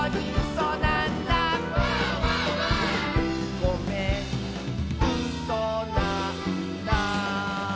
「ごめんうそなんだ」